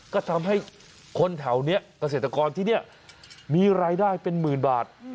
ก็ทำให้คนแถวนี้เกษตรกรที่นี่มีรายได้เป็นหมื่นบาท